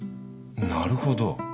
なるほど。